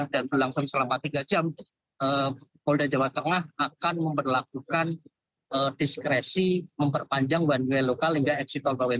dan berlangsung selama tiga jam polda jawa tengah akan memperlakukan diskresi memperpanjang wnw lokal hingga eksit obawin